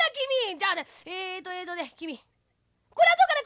じゃあねえっとえっとねきみこれはどうかね？